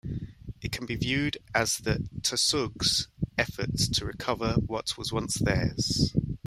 It can be viewed as the Tausug's efforts to recover what was once theirs.